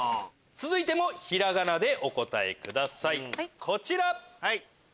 続いても平仮名でお答えくださいこちら！